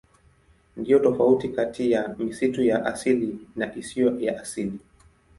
Ndiyo tofauti kati ya misitu ya asili na isiyo ya asili.